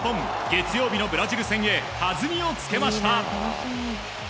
月曜日のブラジル戦へはずみをつけました。